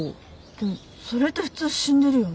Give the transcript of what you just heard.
でもそれって普通死んでるよね？